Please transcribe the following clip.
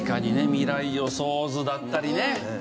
『未来予想図』だったりね。